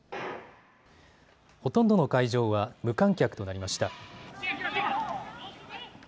ほとんどの会場は無観客となりました。